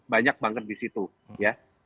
banyak banget di situ ya